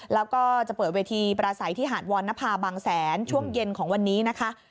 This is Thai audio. แล้วก็จะเปิดเวทีประสัยที่หาดวรณภาบางแสนช่วงเย็นของวันนี้นะคะ